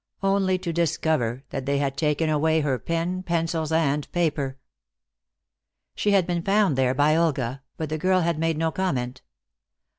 Only to discover that they had taken away her pen, pencils and paper. She had been found there by Olga, but the girl had made no comment.